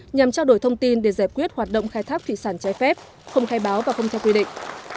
nhằm trao đổi thông tin để giải quyết hoạt động khai thác thủy sản trái phép không khai báo và không theo quy định